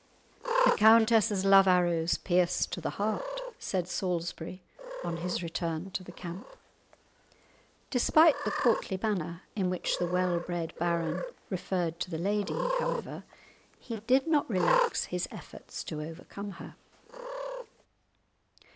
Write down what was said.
"The countess's love arrows pierce to the heart," said Salisbury, on his return to the camp. Despite the courtly manner in which the well bred baron referred to the lady, however, he did not relax his efforts to overcome her.